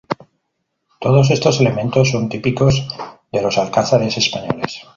Todos estos elementos son típicos de los alcázares españoles.